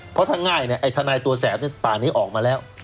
เพราะถ้าง่ายทนายตัวแสบป่านนี้ออกมาแล้ว